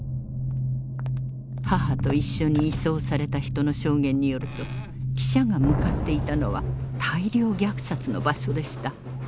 母と一緒に移送された人の証言によると汽車が向かっていたのは大量虐殺の場所でした。